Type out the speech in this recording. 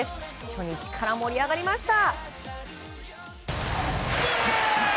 初日から盛り上がりました。